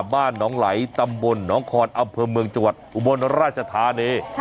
บ้านน้องไหล่ตำบลน้องคอนอับเพิ่มเมืองจัวร์อุบรรณราชธานี